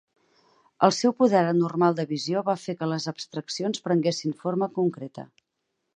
El seu poder anormal de visió va fer que les abstraccions prenguessin forma concreta.